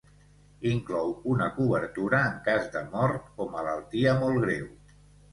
Inclou una cobertura en cas de mort o malaltia molt greu.